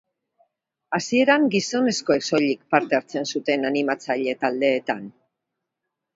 Hasieran gizonezkoek soilik parte hartzen zuten animatzaile taldeetan.